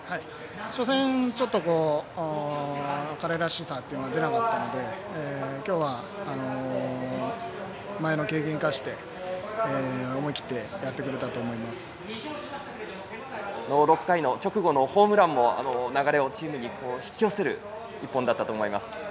初戦は彼らしさが出なかったので今日の試合は前の経験を生かして、思い切って６回の直後のホームランも流れをチームに引き寄せる一本だったと思います。